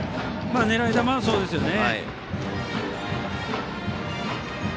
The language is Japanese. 狙い球はそうですよね。